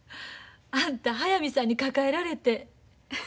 あんた速水さんに抱えられて。